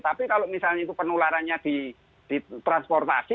tapi kalau misalnya itu penularannya di transportasi